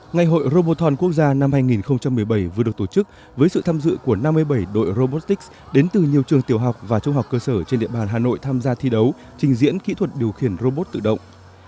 ngày hội roboton quốc gia năm hai nghìn một mươi bảy vừa được tổ chức với sự tham dự của năm mươi bảy đội robotics đến từ nhiều trường tiểu học và trung học cơ sở trên địa bàn hà nội tham gia thi đấu trình diễn kỹ thuật điều khiển robot tự động